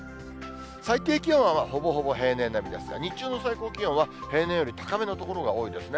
最低気温は、ほぼほぼ平年並みですが、日中の最高気温は平年より高めの所が多いですね。